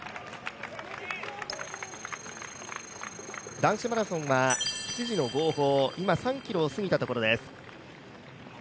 男子マラソンは７時の号砲、今３ｋｍを過ぎたところです。